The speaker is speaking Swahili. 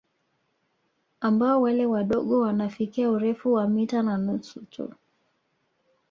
Ambao wale wadogo wanafikia urefu wa mita na nusu tu